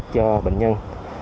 cho bệnh nhân